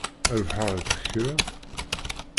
Rebḥeɣ-d kra?